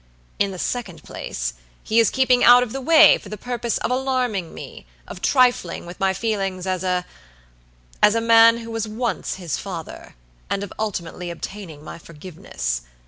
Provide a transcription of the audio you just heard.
In the second place, he is keeping out of the way for the purpose of alarming me, of trifling with my feelings as aas a man who was once his father, and of ultimately obtaining my forgiveness.